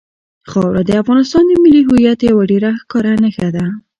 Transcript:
خاوره د افغانستان د ملي هویت یوه ډېره ښکاره نښه ده.